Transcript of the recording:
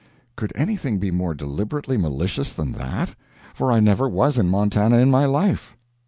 Could anything be more deliberately malicious than that? For I never was in Montana in my life.